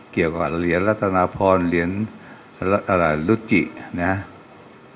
เกี่ยวกับเหรียญรัตนาพรเหรียญรุจินะครับ